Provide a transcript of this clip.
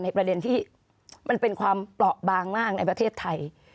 ประเด็นที่มันเป็นความเปราะบางมากในประเทศไทย